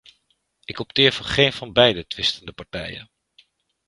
Ik opteer voor geen van beide twistende partijen.